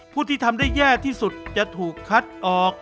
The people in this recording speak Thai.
ผู้ที่ทำได้แย่ที่สุดจะถูกคัดออก